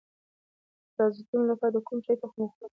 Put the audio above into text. د پرازیتونو لپاره د کوم شي تخم وخورم؟